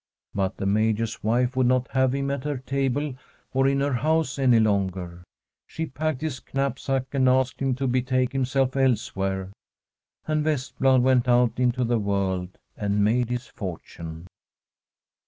But the Major's wife would not have him at her table or in her house any longer ; she packed his knapsack and asked him to betake himself elsewhere. And Vestblad went out into the world and made his fortune.